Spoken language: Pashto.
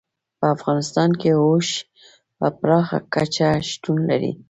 په افغانستان کې اوښ په پراخه کچه شتون لري.